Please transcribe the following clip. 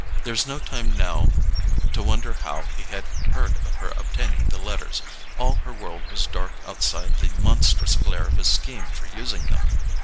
There was no time now to wonder how he had heard of her obtaining the letters: all her world was dark outside the monstrous glare of his scheme for using them.